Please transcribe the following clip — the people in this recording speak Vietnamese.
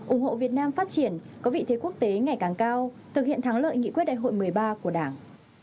ủng hộ việt nam phát triển có vị thế quốc tế ngày càng cao thực hiện thắng lợi nghị quyết đại hội một mươi ba của đảng